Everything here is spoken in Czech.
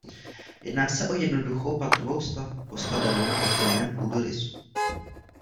Jedná se o jednoduchou patrovou stavbu postavenou na obdélném půdorysu.